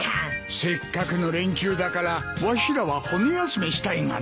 せっかくの連休だからわしらは骨休みしたいがな。